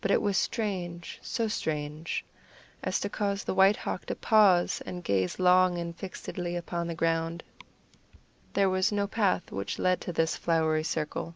But it was strange so strange as to cause the White Hawk to pause and gaze long and fixedly upon the ground there was no path which led to this flowery circle.